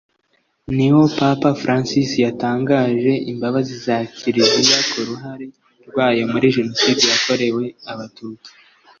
niho Papa Francis yatangaje imbabazi za Kiliziya ku ruhare rwayo muri Jenoside yakorewe Abatutsi